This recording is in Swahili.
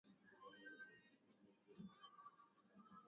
Kama nilivyosema, tunahitaji muda zaidi.